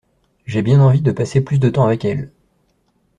J'ai bien envie de passer plus de temps avec elle.